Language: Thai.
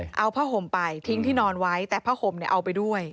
เพราะเนยทิ้งที่นอนไว้แต่ผ้าห่มเนี่ยเอาไปด้วย